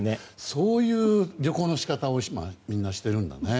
そういう旅行のし方を今、みんなしているんだね。